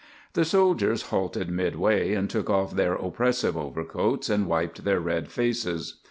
The soldiers halted midway, and took off their oppressive overcoats and wiped their red faces.